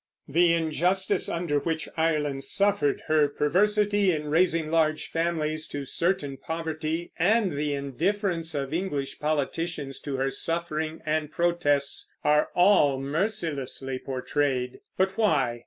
The injustice under which Ireland suffered, her perversity in raising large families to certain poverty, and the indifference of English politicians to her suffering and protests are all mercilessly portrayed; but why?